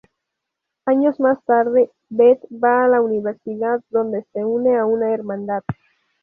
Años más tarde, Beth va a la universidad, donde se une a una hermandad.